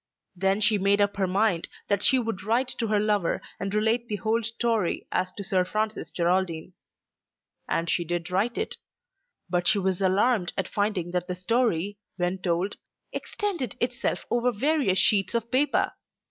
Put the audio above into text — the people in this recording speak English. Then she made up her mind that she would write to her lover and relate the whole story as to Sir Francis Geraldine. And she did write it; but she was alarmed at finding that the story, when told, extended itself over various sheets of paper.